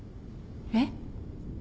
えっ？